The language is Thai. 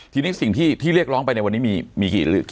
ทีนี้สิ่งที่เรียกร้องไปในวันนี้มีกี่